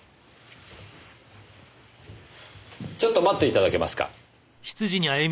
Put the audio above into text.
ちょっと待っていただけますか？